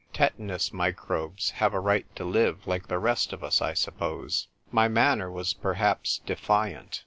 Tetanus microbes have' a right to live like the rest of us, I suppose." My manner was perhaps defiant.